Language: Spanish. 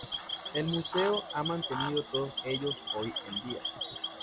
El museo ha mantenido todos ellos hoy en día.